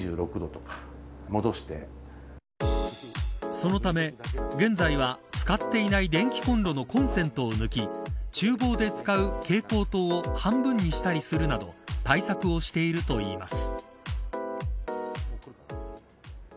そのため、現在は使っていない電気コンロのコンセントを抜き厨房で使う蛍光灯を半分にしたりするなど対策をしているといいます。